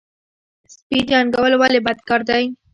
سپي جنګول ولې بد کار دی؟